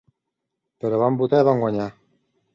Però vam votar i vam guanyar.